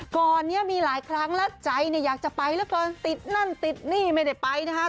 ก่อนมีหลายครั้งแล้วใจอยากจะไปแล้วก็ติดนั่นติดนี่ไม่ได้ไปนะครับ